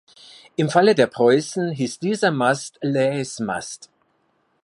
Im Falle der "Preußen" hieß dieser Mast „Laeisz-Mast“.